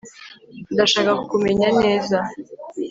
ndashaka kukumenya neza